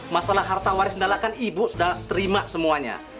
masalah harta waris lalakan ibu sudah terima semuanya